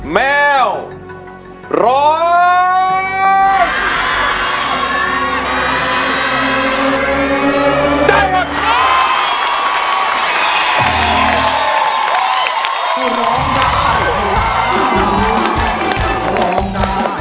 แมวร้อง